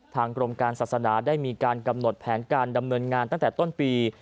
กรมการศาสนาได้มีการกำหนดแผนการดำเนินงานตั้งแต่ต้นปี